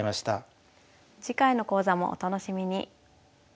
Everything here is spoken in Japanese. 次回の講座もお楽しみに。